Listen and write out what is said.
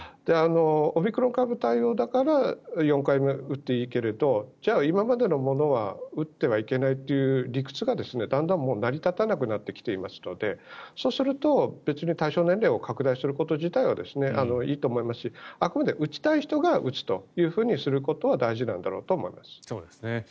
オミクロン株対応だから４回目打っていいけれどじゃあ今までのものは打ってはいけないという理屈がだんだん成り立たなくなってきていますのでそうすると別に対象年齢を拡大すること自体はいいと思いますしあくまで打ちたい人が打つというふうにすることは大事なんだろうと思います。